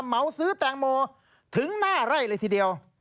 เหมาซื้อแตงโมถึงหน้าไร่เลยทีเดียว